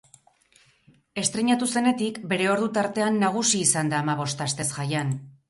Estreinatu zenetik, bere ordu tartean nagusi izan da hamabost astez jarraian.